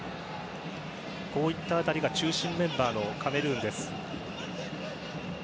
こうした辺りが中心メンバーのカメルーン。